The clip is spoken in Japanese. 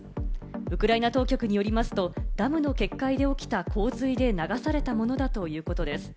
ウクライナ当局によりますと、ダムの決壊で起きた洪水で流されたものだということです。